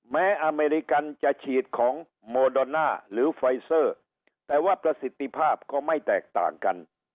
แม้อเมริกันจะฉีดของหรือแต่ว่าประสิทธิภาพก็ไม่แตกต่างกัน